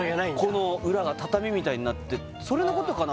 この裏が畳みたいになってそれのことかな？